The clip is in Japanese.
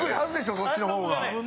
そっちの方が。